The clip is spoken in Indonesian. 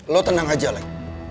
lo tenang aja lai